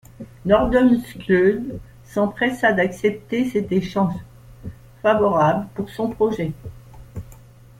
Nordenskjöld s’empressa d'accepter cet échange favorable pour son projet.